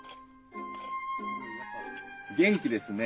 元気ですね。